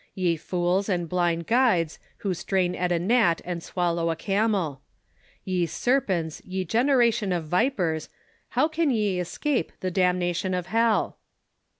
Ye fools and blind guides, who strain at a gnat and swal low a camel. '' Ye serpents, ye generation of vipers, how can ye escape the damnation of hell."